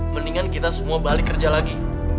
mendingan kita semua balik kerja lagi